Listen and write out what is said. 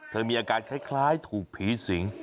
มีอาการคล้ายถูกผีสิง